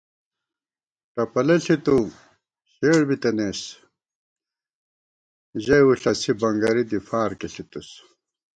ٹپَلہ ݪِتُو شیڑ بِتَنَئیس ، ژَئی وُݪَسی بنگَری دی فارکی ݪِتُوس